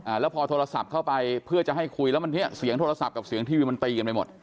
แล้วพอโทรศัพท์เข้าไปเพื่อจะให้คุยแล้วมันเนี้ยเสียงโทรศัพท์กับเสียงทีวีมันตีกันไปหมด